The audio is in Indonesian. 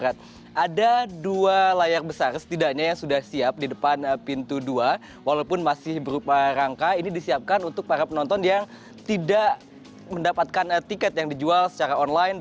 terima kasih seril